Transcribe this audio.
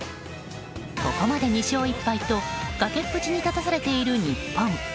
ここまで２勝１敗と崖っぷちに立たされている日本。